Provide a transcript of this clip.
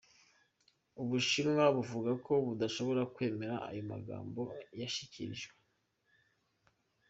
Ubushinwa buvuga ko "budashobora kwemera" ayo majambo yashikirijwe.